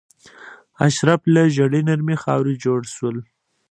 اشراف له ژیړې نرمې خاورې جوړ شول.